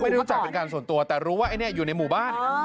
รู้จักเป็นการส่วนตัวแต่รู้ว่าไอ้เนี่ยอยู่ในหมู่บ้าน